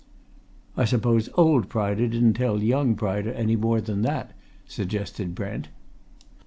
"I suppose old Pryder didn't tell young Pryder any more than that?" suggested Brent.